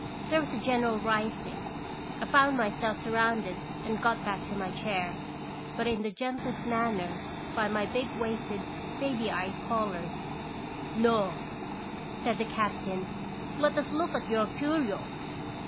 There was a general rising. 1 found myself surrounded and got back to my chair, but in the gentlest manner, by my big waisted, baby eyed callers. "No," said the captain; "let us look at your curios